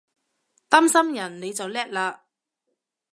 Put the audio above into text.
擔心人你就叻喇！